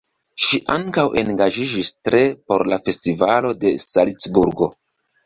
Ŝi ankaŭ engaĝiĝis tre por la Festivalo de Salcburgo.